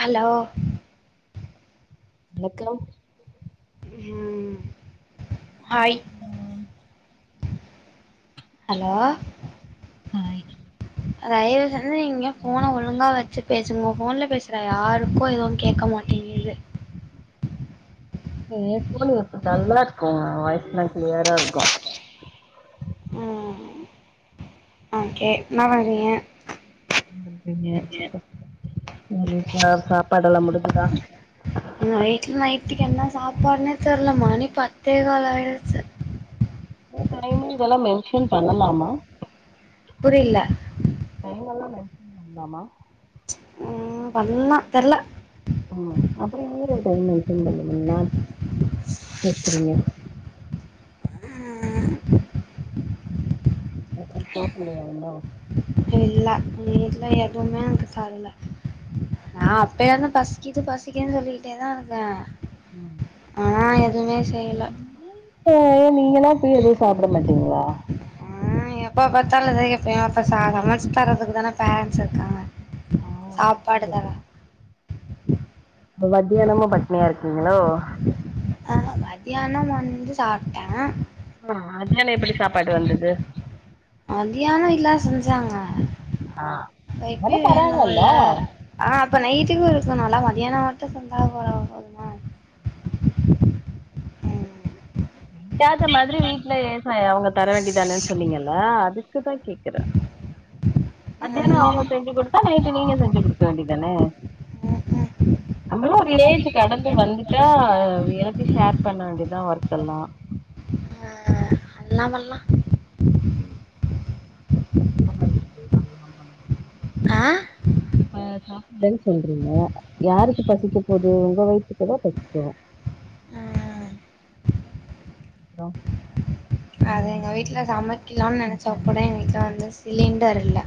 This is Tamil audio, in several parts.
ஹலோ எக்கலோ ம் ஹாய் ஹலோ தயவு செஞ்சு நீங்க போனை ஒழுங்கா வச்சு பேசுங்க உங்கஸ ஃபோன்ல பேசுற யாருக்கும் எதுவும் கேட்க மாட்டேங்குது ஏ என் ஃபோனு நல்லாருக்கும் வாய்ஸ்சு எல்லாம் கிளியரா இருக்கும் ம் ஓகே என்ன பண்றீங்க ம்ம் [unintelligible] சா சாப்பாடு எல்லாம் முடிஞ்சுதா ம் நைட்டு் நைட்டுக்கு என்ன சாப்பாடுனே தெர்ல மணி பத்தே கால் ஆயிடுச்சு [unintelligible] டைம்மு இதெல்லாம் மென்ஷன் பண்ணலாமா புரியல டைமெல்லாம் மென்ஷன் பண்ணலாமா ம் பண்ணலாம் தெர்ல ம் அப்புறம் எங்க டைம் மென்ஷன் [unintelligible] கேக்குறீங்க ம் அப்புறம் சாப்பள்ளையா இன்னும் இல்ல எங்க வீட்டுல எதுவுமே எனக்கு தரல நான் அப்பயருந்து பசிக்கிது பசிக்கிதுன்னு சொல்லிகிட்டே தான் இருந்தேன் ஆனா எதுவுமே செய்யல ஏ நீங்கன்லாம் போய் எழுந்து சாப்பிட மாட்டீங்களா ம் எப்ப பார்த்தாலும் அதான் கேப்பேன் அப்ப சமைச்சு தரதுக்கு தானே பேரண்ட்ஸ் இருக்காங்க சாப்பாடு தரேன் மத்தியானமும் பட்டினியா இருக்கீங்களோ ஆகா மதியானம் வந்து சாப்பிட்டேன் ம்ம் மதியானம் எப்படி சாப்பாட்டு வந்தது மதியானம்ல்லா செஞ்சாங்க ஆ அப்ப அதா இப்பையும் வேணும்ல தராங்கல்ல ஆ அப்ப நைட்டுக்கும் இருக்கனும்ல மதியானம் மட்டும் சொஞ்சா போதா [unintelligible] ம் கேட்ட மாதிரி வீட்டுல அவுங்க தர வேண்டிதானேன்னு சொன்னீங்கல்ல அதுக்குதான் கே கல மதியானம் அவுங்க செஞ்சு கொடுத்தா நை ட்டு நீங்க செஞ்சு கொடுக்க வேண்டியதானே ம்ஹூம் நம்மளும் ஒரு ஏஜ் கடந்து வந்துட்டா எல்லாத்தியு ஷேர் பண்ண வேண்டிதான் ஒர் க்கெல்லாம் பண்லாம் பண்லாம் ம் எப்ப பண்றது அதெல்லாம் [unintelligible] பண்ண ஆ இனிப்பு பாயசோ இல்லன்னு சொல்றீங்க யாருக்கு பசிக்க போது உங்க வயித்துக்குதா பசிக்கு ம் ஆ அது எங்க வீட்ல சமைக்கலான்னு புதுசா நெனச்ச கூட இன்னைக்கு எங்க வீட்ல பண்ணீங்க வந்து சிலிண்டர் இல்ல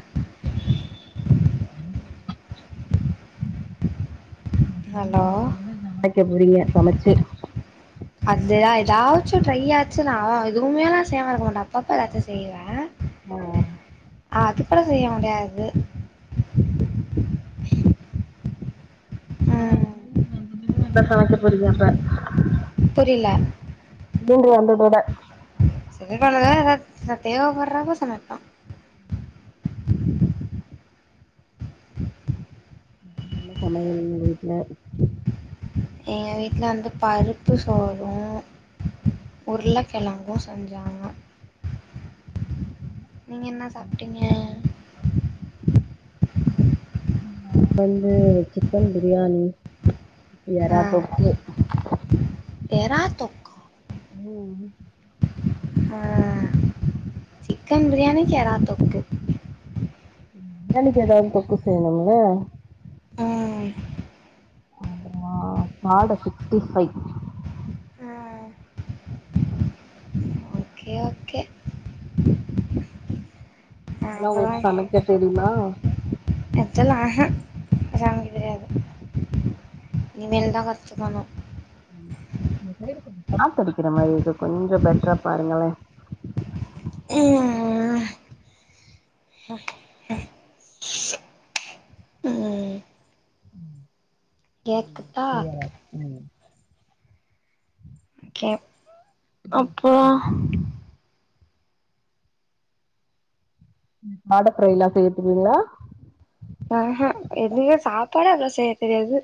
ம் ம் ஹலோ நா வந்த ஒன்ன சமைக்க போறீங்க சமைச்சி அப்டிதா ஏதாச்சும் ட்ரை ஆச்சுன்னா நா எதுவுமேல்லா செய்யாம இருக்க மாட்டே அப்பப்ப ஏதாச்சு செய்வே ஆ ஆ அது கூட செய்ய முடியாது அதா ம் சிலிண்டர் வந்த ஒன்னேதா எல்லா சமைக்க போறீங்க அப்ப புரில சிலிண்டர் வந்ததோட சிக்க கோணதா எதாது நா தேவப்படுறப்ப சமப்பே ம் நல்ல சமையல் உங்க வீட்ல எங்க வீட்ல வந்து பருப்பு சோறு ம் உருளக்கெழங்கு செஞ்சாங்க நீங்க என்ன சாப்ட்டீங்க நா வந்து சிக்கன் பிரியாணி ஆ எறா தொக்கு எறா தொக்கா ம் ஆ சிக்கன் பிரியாணிக்கு எறா தொக்கு ம் பிரியாணிக்கு ஏதாவது தொக்கு செய்யணுமுல்ல ம் அப்பறோ காட சிக்ஸ்டி ஃபைவ் ம் ஓகே ஓகே ஆ அதெல்லா அப்பறோ உங்களுக்கு சமைக்க தெரியுமா ஆக்சுவலா ஆஹா சமைக்க தெரியாது இனிமேல்தா கத்துக்கனு ம் உங்க சைடு கொஞ்சோ காத்து அடிக்கிற மாரி இருக்கு கொஞ்சோ பெட்டரா பாருங்களே ம் ம் ம் கேக்குதா கிளியராருக்கு ம் ஓகே அப்பறோ காட ப்ரை எல்லா செய்ய தெரியுங்களா ம் ஹூ எதுவுமே சாப்பாடே அவ்வளவா செய்ய தெரியாது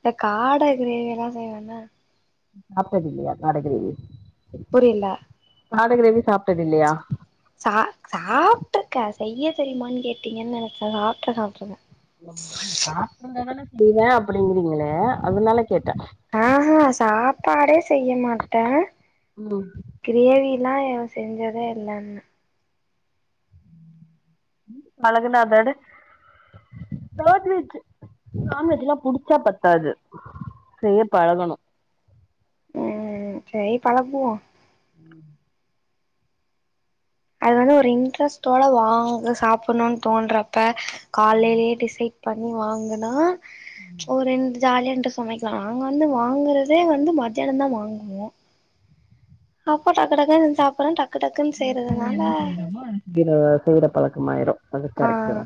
இதுல காட கிரேவி எல்லா செய்வேனா சாப்ட்டது இல்லையா காட கிரேவி புரில காட கிரேவி சாப்ட்டது இல்லையா சா சாப்ட்டுருக்கே செய்ய தெரியுமான்னு கேட்டீங்கன்னு நெனைச்சே சாப்ட் சாப்ட்ருக்கே சாப்ட்டுருந்தான செய்வே அப்டிங்கறீங்களே அதுனால கேட்டே ஆஹா சாப்பாடே செய்ய மாட்டே ம் கிரேவில்லா நா செஞ்சதே இல்லனே பழகுனாதானே நான்வெஜ்ஜு நான்வெஜ்லா புடிச்சா பத்தாது செய்ய பழகனு ம் ம் சேரி பழகுவோ [inaudible] அது வந்து ஒரு இன்ட்ரெஸ்ட்டோட வாங்கு சாப்புணுன் தோன்றப்ப காலைலே டிசைட் பண்ணி வாங்குனா ஒரே ஜாலியான்ட்டு சமைக்லா நாங்க வந்து வாங்குறதே வந்து மதியானோ தா வாங்குவோ அப்போ டக்கு டக்குன் சாப்புறோ டக்கு டக்குன் செய்றதுனால கீர செய்ற பழக்கமாய்ரு அது ஆ கரக்ட்டு தா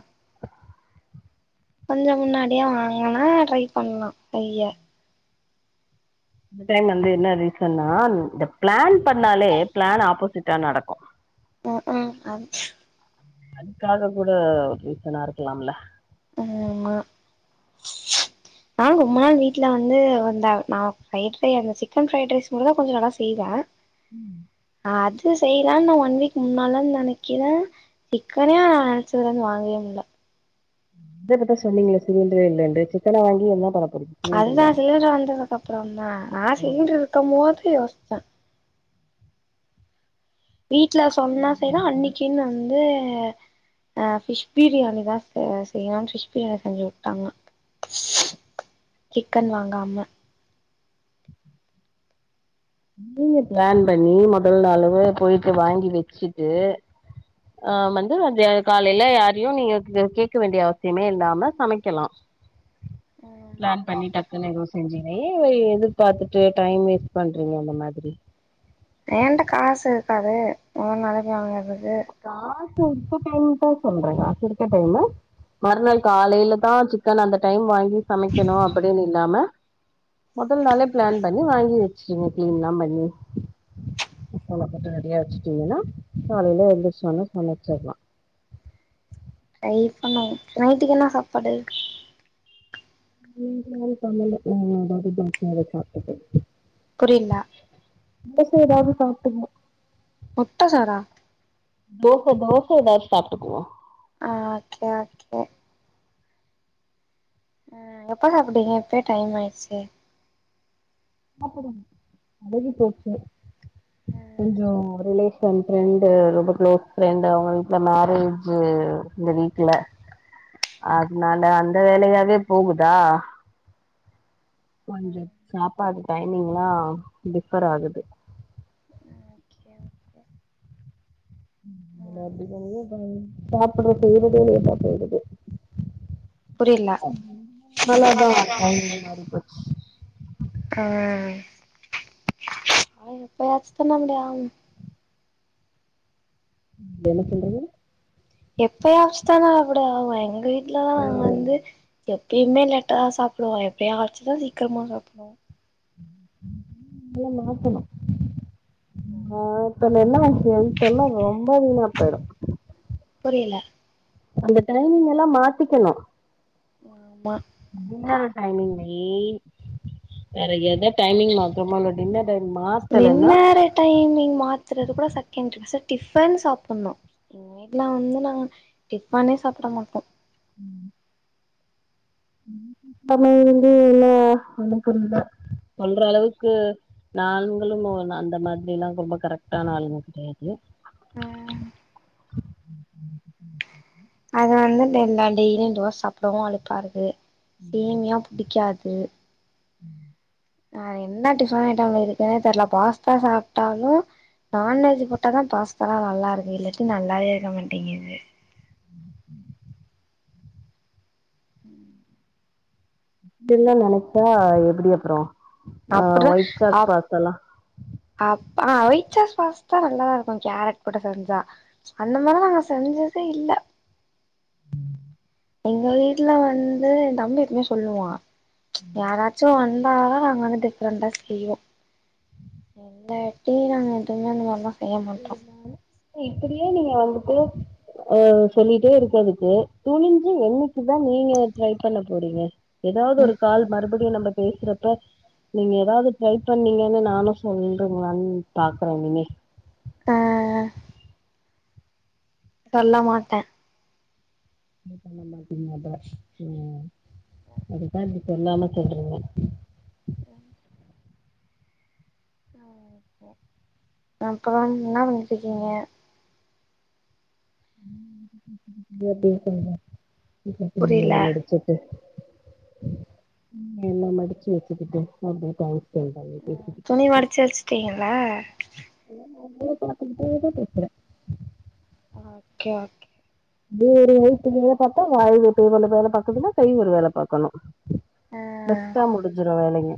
கொஞ்சோ முன்னாடியே வாங்குனா ட்ரை பண்லா கொஞ்சோ இந்த டைம் வந்து என்ன ரீசன்னா இந்த பிளான் பண்ணாலே பிளான் ஆப்போசிட்டா நடக்கு ம் உம் ஆ அதுக்காக கூட ஒரு ரீசனாருக்லாம்ல ஆமா நானு ரொம்ப நாள் வீட்ல வந்து அந்த நா ஃப்ரைட் ரை அந்த சிக்கன் ஃப்ரைட் ரைஸ் மட்டுந்தா கொஞ்சோ நல்லா செய்வே ம் அ அது செய்லான் நா ஒன் வீக் முன்னாலன் நெனக்கிறே சிக்கனே நா நெனச்சதுலந்து வாங்கவே முல்ல இத இப்பத்தா சொன்னீங்ளே சிலிண்ட்ரே இல்லென்டு சிக்கன வாங்கி என்ன பண்ண போறிங்க அதுதா சிலிண்ட்ரு வந்ததுக்கப்றோம்தா நா சிலிண்ட்ரு இருக்கம்போது யோச்சே வீட்ல சொன்னா செய்றே அன்னக்கின் வந்து ஆ ஃபிஷ் பிரியாணி தா செ செய்யோ ஃபிஷ் பிரியாணி செஞ்சு வுட்டாங்க [inaudible] சிக்கன் வாங்காம நீங்க பிளான் பண்ணி மொதல்நாளே போய்ட்டு வாங்கி வச்சிட்டு ஆ வந்து மதிய காலைல யாரையு நீங்க கேட்க வேண்டிய அவசியமே இல்லாம சமைக்கலா [inaudible] பிளான் பண்ணி டக்குனு எது செஞ்சுங்க ஏ எதிர்பாத்துட்டு டைம் வேஸ்ட் பண் றீங்க அந்த மாதிரி ஏன்ட்ட காசு இருக்காது போனால போய் வாங்கறது காசு இருக்க டைம் தா சொல்றே காசு இருக்க டைமு மற்நாள் காலைல தா சிக்கன் அந்த டைம் வாங்கி சமைக்கனு அப்டின்னு இல்லாம மொதல் நாளே பிளான் பண்ணி வாங்கி வச்சுங்க கிளீன்லா பண்ணி [unintelligible] ரெடியா வச்சுட்டீங்கன்னா காலைல எந்துருச்சோன சமச்சிர்லா ட்ரை பண்ணு நைட்டுக்கு என்ன சாப்பாடு இன்னு நா எது பண்ணல இனிமே எதாவ்து தோச எதா சாப்ட்டுக்கு புரில தோச எதாவ்து சாப்ட்டுக்குவோ முட்ட சோறா தோச தோச எதாவ்து சாப்ட்டுக்குவோ ஆ ஓகே ஓகே ஆ எப்ப சாப்டிங்க இப்பே டைமாய்ருச்சு சாப்புடுங் அழுகி போய்ச்சு ம் கொஞ்சோ ஒரளவு ஏ ஃப்ரெண்டு ரொம்ப க்ளோஸ் ஃப்ரெண்ட் அவ வீட்ல மேரேஜ் இந்த வீக்ல அதுனால அந்த வேலையாவே போகுதா கொஞ்சோ சாப்பாடு டைமிங்ல்லா டிஃபர் ஆகுது ஆ ஓகே ஓகே [inaudible] ம் சாப்புட செய்றதே லேட்டா செய்றது புரியல நல்லதுதா டைமிங் மாரி போச் அ அவுங் எப்பயாச்சு தான வராங் என்ன சொல்றது எப்பவாச்சுதான நா கூட எங்க வீட்லா நா வந்து எப் டெய்லிமே லேட்டா தா சாப்டுவோ எப்பயாச்சுதா சீக்ரமா சாப்டுவோ எல்லா மாத்தணு மாத்த நீங்க என்ன வாங்தன்னா ரொம்ப வீணா போயிடும் புரியல அந்த டைனிங் எல்லா மாத்திக்கணு ஆமா [unintelligible] டைமிங் தா ஏ வேற எத டைமிங் மாத்தரமோ இ என்ன பயம்மா நின்நேர டைமிங் மாத்தறது கூட [unintelligible] செர் டிஃபன் சாப்புட்ணு எங்க வீட்ல வந்து நா டிஃப்பனே சாப்ட மாட்டோ ம் அன்னயில்லந்து இன்னோ ஒன்னு புரில நாங்களு ஓ அந்த மாதிரில்லா ரொம்ப கரெக்ட்டான ஆளுங்க கெடையாது ம் அதனால தா டா எல்லா டெய்லியு தோச சாப்டவு அலுப்பா இருக்கு சேமியா புடிக்காது ம் நா என்ன டிஃபன்னு கேட்டாலு இருக்குன்னே தெர்ல பாஸ்தா சாப்ட்டாலே நான்வெஜ் போட்டா தா பாஸ்தாலா நல்லாருக்கு இல்லாட்டி நல்லாவே இருக்க மாட்டேங்கிது உம் அப்டில்லா நெனச்சா எப்டி அப்றோ அ அப்டிதா ஒயிட் சாஸ் அப் பாஸ்த்தால்லா அப் ஒயிட் சாஸ் பாஸ்தா நல்லாருக்கு கேரட் போட்டு செஞ்சா அந்த மாரில்லா நாங்க செஞ்சதே இல்ல எங்க வீட்ல வந்து எ தம்பி எப்போமே சொல்லுவா யாராச்சு வந் அதால நாங்க வந்து டிஃப்ரெண்டா செய்வோ இல்லாட்டி நாங்க எதுமே அந்த மாரில்லா ம் ஆமா இப்டியே நீங்க வந்துட்டு அ சொல்லிட்டே இருக்கதுக்கு துணிஞ்சு என்னிக்குதா நீங்க ட்ரை பண்ண போறீங்க எதாவ்து ஒரு கால் மறுபடியு நம்ம பேசுறப்ப நீங்க ஏதாவ்து ட்ரை பண்ணீங்கன்னு நானு சொல்றீங்ளான்னு பாகுறே இனிமே ஆ சொல்ல மாட்டே நீங்க சொன்ன மாத்ரி அதா ம் அதுதா அப்டி சொல்லாம சொல்றீங்க ய அப்றோ இன்னா பண்ணிட்ருக்கீங்க இதே எப்டி இருக்குணு [unintelligible] துணி எல்லா புரில மடிச்சு வச்சுட்டு இப்டியே ஒக்காந்துருக்காரு துணி மடிச்சு வச்சுட்டீங்கள [inaudible] பேசுறே அ ஓகே ஓகே வேறு வயத்துக்கு வேல பாத்தா வாய் [unintelligible] ஒரு வேல பாக்குதுன்னா கை ஒரு வேல பாக்கணு ஆ பெஸ்ட்டா முடிஞ்சிரு வேலைங்க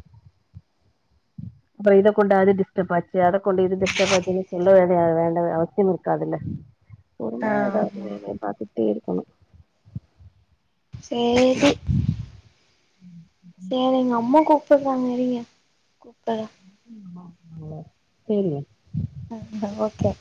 அப்றோ இத கொண்டு அது டிஸ் ஷ்டப் பச்சயாட கொண்டு இது டிஷ்டப்பாச்சுன்னு சொல்ல வேண்டி வேண்ட அவசியம் இருக்காதுல்ல பொறுமையா ஏதாவது ஆமா வேலைய பாத்துட்டே இருக்கணு சேரி ஏங்க எங்க அம்மா கூப்புறாங்க இருங்க கூப்புறே [inaudible] சேரிங்க ஓகே